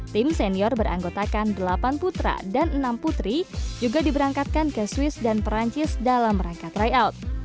tim senior beranggotakan delapan putra dan enam putri juga diberangkatkan ke swiss dan perancis dalam rangka tryout